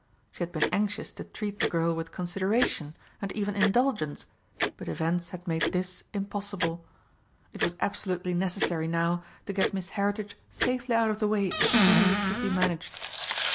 She had been anxious to treat the girl with consideration, and even indulgence but events had made this impossible. It was absolutely necessary now to get Miss Heritage safely out of the way as soon as it could be managed.